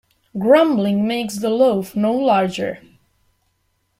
Grumbling makes the loaf no larger.